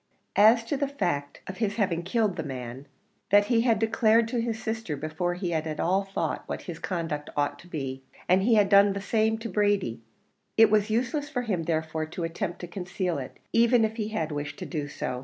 As to the fact of his having killed the man, that he had declared to his sister before he had at all thought what his conduct ought to be, and he had done the same to Brady; it was useless for him therefore to attempt to conceal it, even if he had wished to do so.